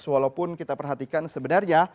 walaupun kita perhatikan sebenarnya